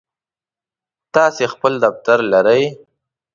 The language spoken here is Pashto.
تاسی خپل دفتر لرئ؟